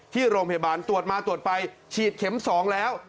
ที่โรงพยาบาลตรวจมาตรวจไปฉีดเข็ม๒แล้ว